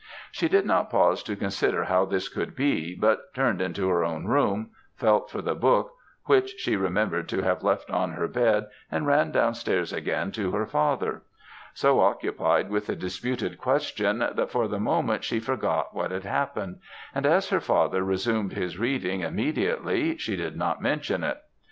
She did not pause to consider how this could be, but turned into her own room; felt for the book, which she remembered to have left on her bed and ran down stairs again to her father; so occupied with the disputed question, that for the moment she forgot what had happened, and as her father resumed his reading immediately, she did not mention it.